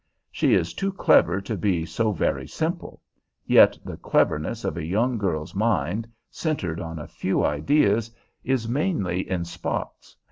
She is too clever to be so very simple; yet the cleverness of a young girl's mind, centred on a few ideas, is mainly in spots.